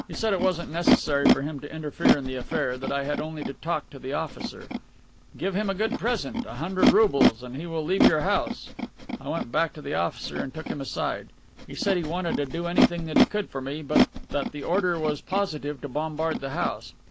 He said it wasn't necessary for him to interfere in the affair, that I had only to talk to the officer. 'Give him a good present, a hundred roubles, and he will leave your house. I went back to the officer and took him aside; he said he wanted to do anything that he could for me, but that the order was positive to bombard the house.